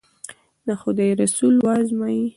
د خدای رسول و ازمایي.